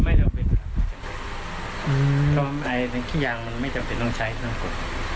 ไม่จำเป็นครับขี้ยางมันไม่จำเป็นต้องใช้ต้องกด